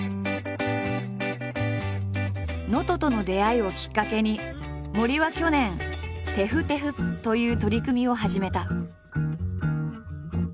能登との出会いをきっかけに森は去年「ｔｅｆｕｔｅｆｕ」という取り組みを始めた。